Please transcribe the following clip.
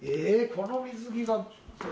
この水着が。